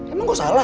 emang gue salah